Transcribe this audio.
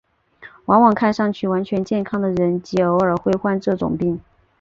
往往看上去完全健康的人极偶尔会患这种病。